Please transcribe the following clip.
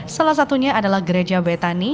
salah satunya adalah gereja betani